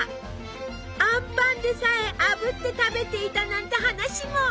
あんぱんでさえあぶって食べていたなんて話も！